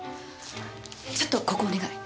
ちょっとここお願い。